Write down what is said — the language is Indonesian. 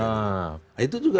nah itu juga